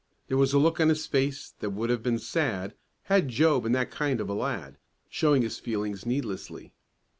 There was a look on his face that would have been sad, had Joe been that kind of a lad showing his feelings needlessly.